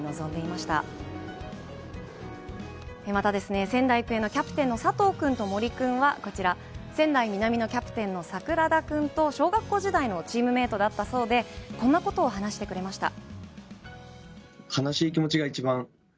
またキャプテンの佐藤君と森君は、仙台南の桜田君と、小学校時代のチームメートだったそうで、こんなことを話してくれました。